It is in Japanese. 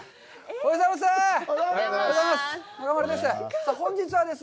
おはようございます！